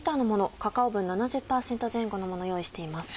カカオ分７０％前後のもの用意しています。